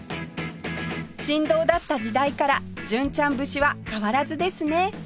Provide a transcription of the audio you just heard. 神童だった時代から純ちゃん節は変わらずですね